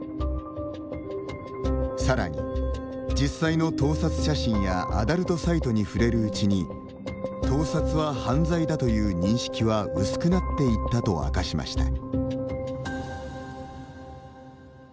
さらに、実際の盗撮写真やアダルトサイトに触れるうちに盗撮は犯罪だという認識は薄くなっていったと明かしました。